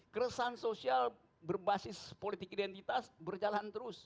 keresahan sosial berbasis politik identitas berjalan terus